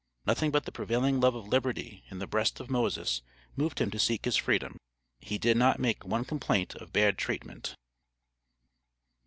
Nothing but the prevailing love of liberty in the breast of Moses moved him to seek his freedom. He did not make one complaint of bad treatment.